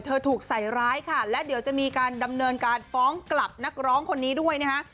ถูกใส่ร้ายค่ะและเดี๋ยวจะมีการดำเนินการฟ้องกลับนักร้องคนนี้ด้วยนะฮะ